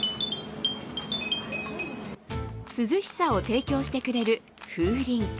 涼しさを提供してくれる風鈴。